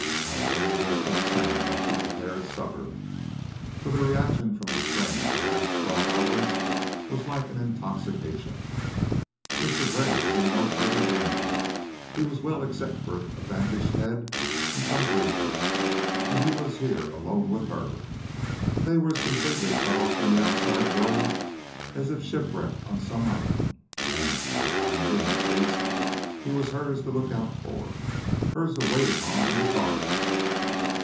Allegheny Briskow sang while she prepared supper, for the reaction from the strain of the last twelve hours was like an intoxication. Mr. Gray was in no further danger; he was well except for a bandaged head and some bruises. And he was here alone with her. They were as completely cut off from the outside world as if shipwrecked on some island, and, for the time being at least, he was hers to look out for, hers to wait upon and to guard.